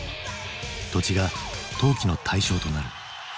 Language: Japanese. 土地が投機の対象となる。